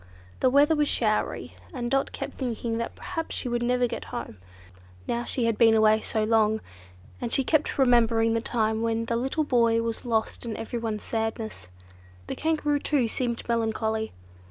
The weather was showery, and Dot kept thinking that perhaps she would never get home, now she had been so long away, and she kept remembering the time when the little boy was lost and everyone's sadness. The Kangaroo too seemed melancholy.